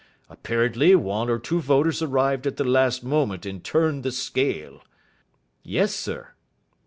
Apparently one or two voters arrived at the last moment and turned the scale." "Yes, sir."